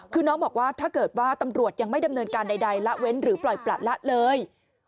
คือน้องบอกว่าถ้าเกิดว่าตำรวจยังไม่ดำเนินการใดละเว้นหรือปล่อยประละเลย